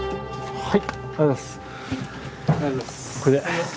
はい。